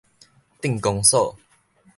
鎮公所